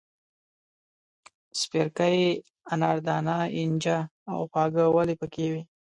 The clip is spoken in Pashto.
سپیرکۍ، اناردانه، اینجه او خواږه ولي پکې وې.